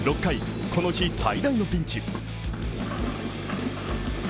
６回、この日最大のピンチ。